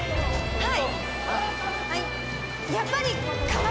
はい。